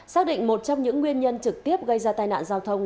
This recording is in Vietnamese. xác định một trong những nguyên nhân trực tiếp gây ra tai nạn giao thông